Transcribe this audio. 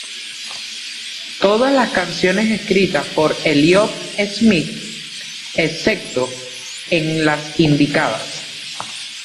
Todas las canciones escritas por Elliott Smith, excepto en las indicadas.